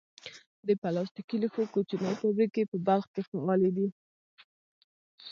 د پلاستیکي لوښو کوچنۍ فابریکې په بلخ کې فعالې دي.